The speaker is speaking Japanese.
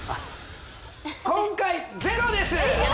今回ゼロです